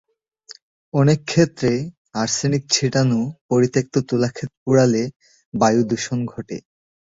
অনেক ক্ষেত্রে আর্সেনিক ছিটানো পরিত্যক্ত তুলা ক্ষেত পোড়ালে বায়ু দূষণ ঘটে।